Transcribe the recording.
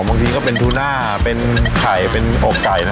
บางทีก็เป็นทูน่าเป็นไข่เป็นอกไก่นะ